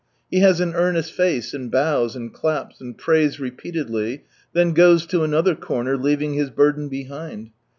He has an earnest face, and bows, and claps, and prays repeatedly : then goes lo another corner, leaving his burden behind.